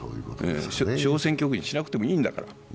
小選挙区にしなくてもいいんだから。